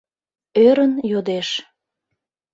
Ӧрын йодеш: